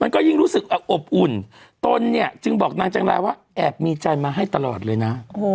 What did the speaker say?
ก็ยิ่งรู้สึกอบอุ่นตนเนี่ยจึงบอกนางจังลายว่าแอบมีใจมาให้ตลอดเลยนะ